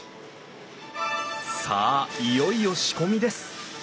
さあいよいよ仕込みです。